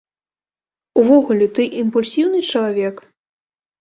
Увогуле, ты імпульсіўны чалавек?